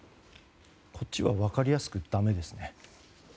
こっちは分かりやすくだめですね。